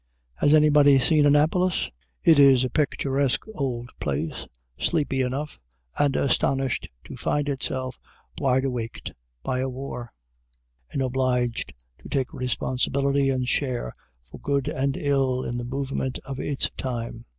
Has anybody seen Annapolis? It is a picturesque old place, sleepy enough, and astonished to find itself wide awaked by a war, and obliged to take responsibility and share for good and ill in the movement of its time.